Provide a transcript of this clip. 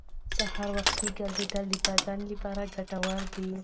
سهار وختي ګرځېدل د بدن لپاره ګټور دي